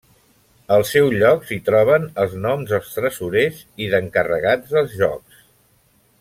Al seu lloc s'hi troben els noms dels tresorers i d'encarregats dels jocs.